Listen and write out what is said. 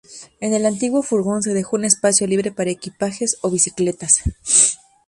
En el antiguo furgón se dejó un espacio libre para equipajes o bicicletas.